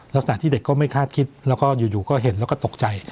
ลักษณะที่เด็กก็ไม่คาดคิดแล้วก็อยู่ก็เห็นแล้วก็ตกใจ